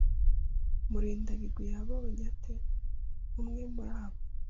Murindabigwi yabonye ate umwe muri abo?